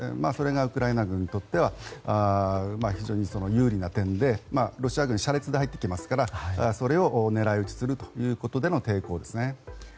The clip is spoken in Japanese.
それがウクライナ軍にとっては非常に有利な点でロシア軍車列で入ってきていますからそれを狙い撃ちするということでの抵抗ですね。